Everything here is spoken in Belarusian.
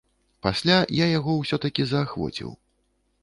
Пасля я яго ўсё-такі заахвоціў.